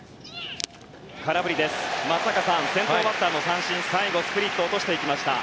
松坂さん、先頭バッターの三振最後スプリット落としてきました。